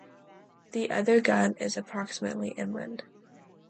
The other gun is approximately inland.